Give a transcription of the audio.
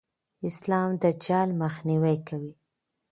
اسلام د جهل مخنیوی کوي.